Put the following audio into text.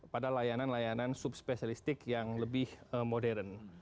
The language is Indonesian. pada layanan layanan subspesialistik yang lebih modern